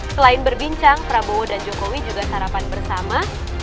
selain berbincang prabowo dan jokowi juga sarapan bersama